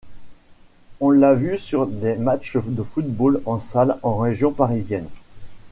On l'a vu sur des matchs de football en salle en région parisienne.